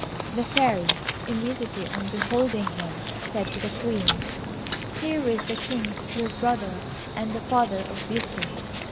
The Fairy, immediately on beholding him, said to the Queen, "Here is the King your brother, and the father of Beauty.